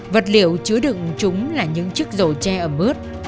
vật liệu chứa đựng chúng là những chiếc dầu che ẩm ướt